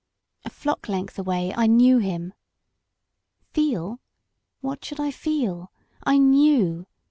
A flock length away, I knew him. Feel? What should I feel? I knew.